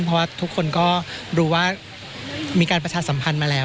เพราะว่าทุกคนก็รู้ว่ามีการประชาสัมพันธ์มาแล้ว